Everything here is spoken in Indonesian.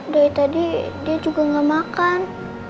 dari tadi dia juga gak makan